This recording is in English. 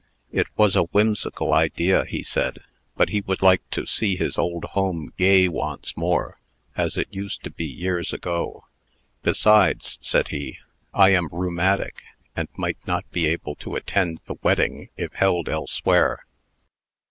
It was a whimsical idea, he said, but he would like to see his old home gay once more, as it used to be years ago. "Besides," said he, "I am rheumatic, and might not be able to attend the wedding, if held elsewhere."